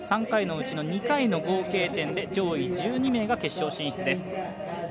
３回のうちの２回の合計点で上位１２名が決勝進出です。